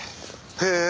へえ。